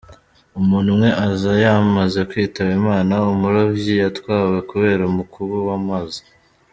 Umuntu umwe aza yamaze kwitaba Imana, umurovyi yatwawe kubera umukuba w’amazi.